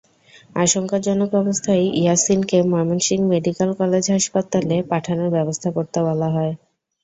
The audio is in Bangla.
আশঙ্কাজনক অবস্থায় ইয়াছিনকে ময়মনসিংহ মেডিকেল কলেজ হাসপাতালে পাঠানোর ব্যবস্থা করতে বলা হয়।